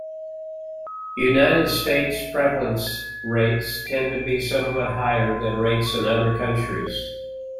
United States prevalence rates tend to be somewhat higher than rates in other countries.